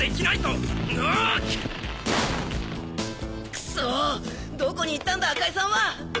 クソどこに行ったんだ赤井さんは！